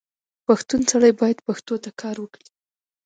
پښتون سړی باید پښتو ته کار وکړي.